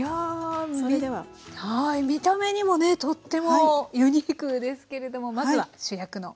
はい見た目にもねとってもユニークですけれどもまずは主役の。